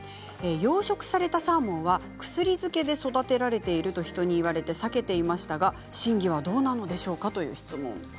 養殖されたサーモンは薬づけで育てられていると人に言われて避けていましたが真偽はどうなのでしょうか？